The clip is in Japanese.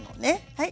はい。